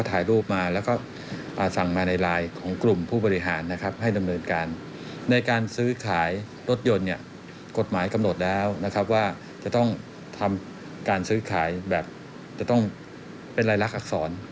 ต้องทำการซื้อขายแบบจะต้องเป็นรายลักษณ์อักษร